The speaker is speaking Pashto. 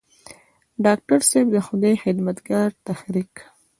ډاکټر صېب د خدائ خدمتګار تحريک